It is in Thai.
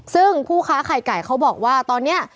ซึ่งผู้ค้าไข่ไก่เขาบอกว่าตอนนี้